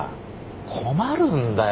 困るんだよ